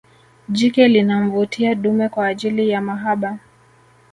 Jike linamvutia dume kwa ajili ya mahaba